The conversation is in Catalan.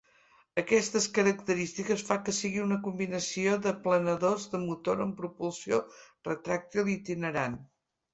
Aquestes característiques fa que sigui una combinació de planadors de motor amb propulsió retràctil i itinerant.